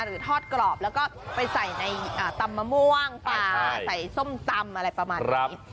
หรือทอดกรอบแล้วก็ไปใส่ในอ่าตำมะม่วงปลาใช่ใส่ส้มตำอะไรประมาณนี้ครับ